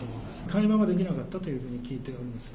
会話ができなかったということを聞いております。